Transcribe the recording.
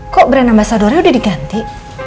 kok brand ambasadornya udah diganti